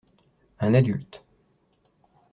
Un adulte.